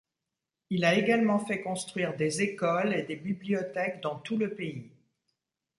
Il a également fait construire des écoles et des bibliothèques dans tout le pays.